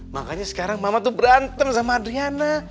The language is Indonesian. makanya sekarang mama tuh berantem sama adriana